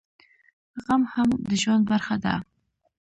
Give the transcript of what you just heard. غم هم د ژوند برخه ده